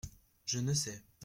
Je ne sais.